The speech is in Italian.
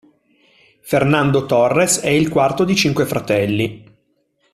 Fernando Torres è il quarto di cinque fratelli.